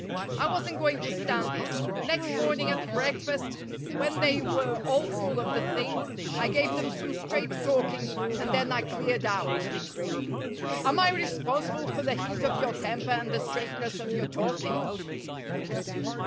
I wasn't going to stand it. Next morning at breakfast, when they were all full of the thing, I gave them some straight talking, and then I cleared out." "Am I responsible for the heat of your temper and the straightness of your talking?"